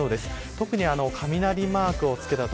特に雷マークを付けた所